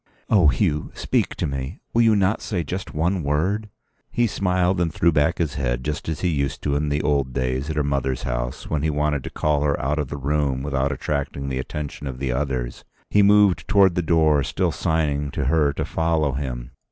"Oh, Hugh, speak to me! Will you not say just one word?" He smiled and threw back his head, just as he used to in the old days at her mother's house when he wanted to call her out of the room without attracting the attention of the others. He moved towards the door, still signing to her to follow him.